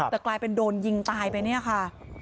แต่กลายเป็นโดนยิงตายไปเนี่ยค่ะ